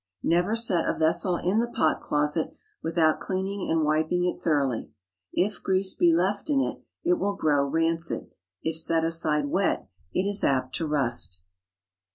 Never set a vessel in the pot closet without cleaning and wiping it thoroughly. If grease be left in it, it will grow rancid. If set aside wet, it is apt to rust.